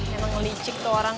emang licik tuh orang